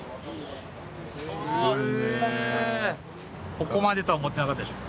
ここまでとは思ってなかったでしょ？